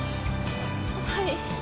はい。